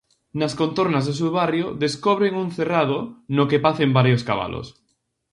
Nas contornas do seu barrio descobren un cerrado no que pacen varios cabalos.